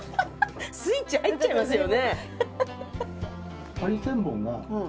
スイッチ入っちゃいますよね。